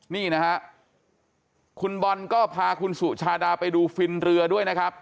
นี่นะฮะคุณบอลก็พาคุณสุชาดาไปดูฟินเรือด้วยนะครับ